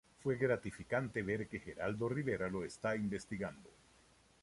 Fue gratificante ver que Geraldo Rivera lo está investigando.